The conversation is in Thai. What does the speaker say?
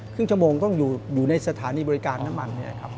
ครึ่งชั่วโมงต้องอยู่ในสถานีบริการน้ำมัน